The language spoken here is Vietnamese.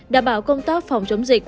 đảm bảo công tác phòng chống dịch